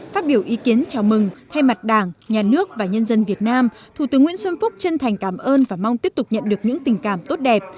phát biểu ý kiến chào mừng thay mặt đảng nhà nước và nhân dân việt nam thủ tướng nguyễn xuân phúc chân thành cảm ơn và mong tiếp tục nhận được những tình cảm tốt đẹp